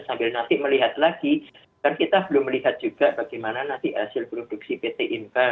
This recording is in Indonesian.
sambil nanti melihat lagi kan kita belum melihat juga bagaimana nanti hasil produksi pt inka